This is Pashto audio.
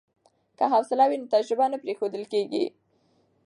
که حوصله وي نو تجربه نه پریښودل کیږي.